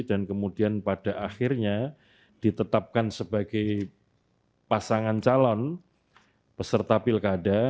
dan kemudian pada akhirnya ditetapkan sebagai pasangan calon peserta pilkada